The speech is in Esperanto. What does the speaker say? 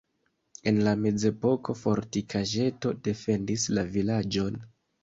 En la mezepoko fortikaĵeto defendis la vilaĝon.